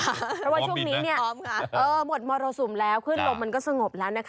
เพราะว่าช่วงนี้เนี้ยพร้อมค่ะเออหมดมรสุมแล้วคืนลมมันก็สงบแล้วนะคะ